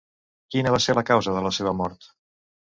Quina va ser la causa de la seva mort?